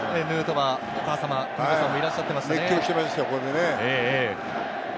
お母様の久美子さんもいらっしゃっていましたね。